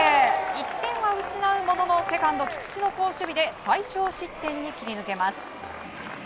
１点は失うもののセカンド菊池の好守備で最少失点に切り抜けます。